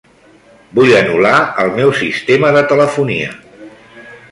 Vull anul·lar el meu sistema de telefonia.